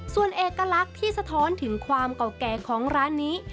ส่วนเอกลักษณ์ที่สะท้อนถึงความเก่าแก่ของร้านนี้